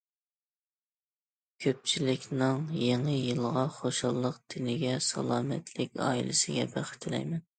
كۆپچىلىكنىڭ يېڭى يىلىغا خۇشاللىق، تېنىگە سالامەتلىك، ئائىلىسىگە بەخت تىلەيمەن!